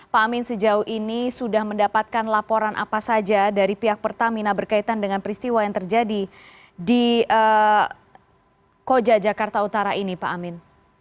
pak amin sejauh ini sudah mendapatkan laporan apa saja dari pihak pertamina berkaitan dengan peristiwa yang terjadi di koja jakarta utara ini pak amin